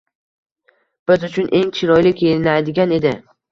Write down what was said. Biz uchun eng chiroyli kiyinadigan edi.